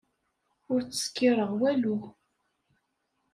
Ur ttṣekkiṛeɣ walu.